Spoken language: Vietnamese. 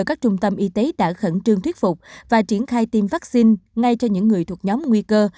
các trung tâm y tế đã khẩn trương thuyết phục và triển khai tiêm vaccine ngay cho những người thuộc nhóm nguy cơ